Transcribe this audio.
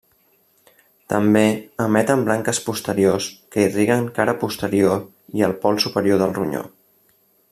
També emeten branques posteriors que irriguen cara posterior i el pol superior del ronyó.